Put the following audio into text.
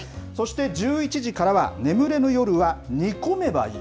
１１時からは眠れぬ夜は、煮込めばいい。